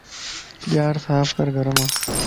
ڄار صاف ڪر گھرمان